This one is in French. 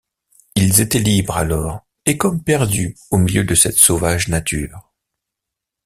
Ils étaient libres alors, et comme perdus au milieu de cette sauvage nature.